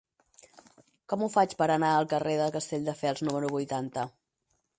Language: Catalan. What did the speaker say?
Com ho faig per anar al carrer de Castelldefels número vuitanta?